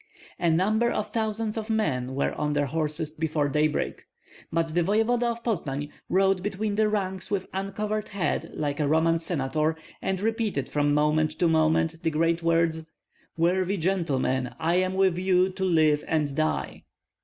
A number of thousands of men were on their horses before daybreak. But the voevoda of Poznan rode between the ranks with uncovered head like a Roman senator, and repeated from moment to moment the great words, "Worthy gentlemen, I am with you to live and die."